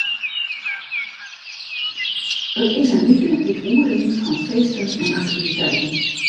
It is in wike dy't oerrint fan feesten en aktiviteiten.